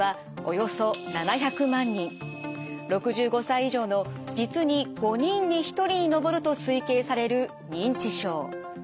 ６５歳以上の実に５人に１人に上ると推計される認知症。